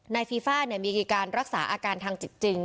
นายฟีฟ่าเนี่ยมีการรักษาอาการทางจิตจริง